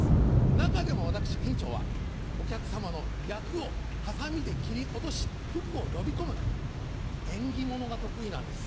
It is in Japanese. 中でも私銀蝶はお客さまの厄をハサミで切り落とし福を呼び込む縁起物が得意なんです。